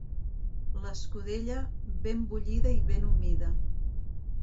L'escudella, ben bullida i ben humida.